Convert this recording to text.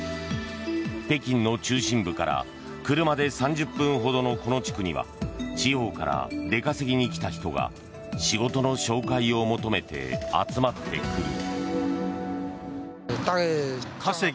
北京の中心部から車で３０分ほどのこの地区には地方から出稼ぎに来た人が仕事の紹介を求めて集まってくる。